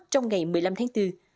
trong ngày một mươi năm tháng bốn